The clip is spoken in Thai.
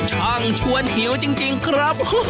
ช่างชวนหิวจริงครับ